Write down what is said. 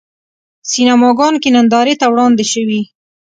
سینماګانو کې نندارې ته وړاندې شوی.